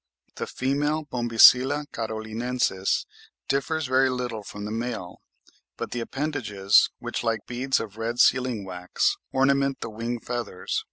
The female Bombycilla carolinensis differs very little from the male, but the appendages, which like beads of red sealing wax ornament the wing feathers (30.